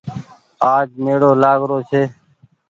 آج ميڙو لآگ رو ڇي۔